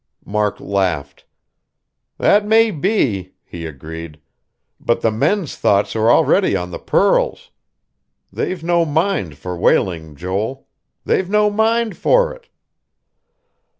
Mark laughed. "That may be," he agreed. "But the men's thoughts are already on the pearls. They've no mind for whaling, Joel. They've no mind for it."